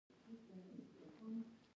نیلی مي ځین دی روانېږمه بیا نه راځمه